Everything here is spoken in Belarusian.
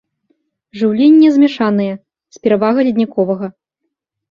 Жыўленне змяшанае, з перавагай ледніковага.